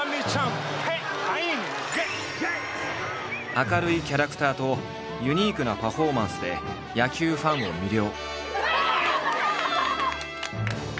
明るいキャラクターとユニークなパフォーマンスで野球ファンを魅了。